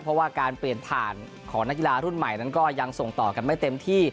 เพราะว่าการเปลี่ยนผ่านของนักกีฬารุ่นใหม่นั้นก็ยังส่งต่อกันไม่เต็มที่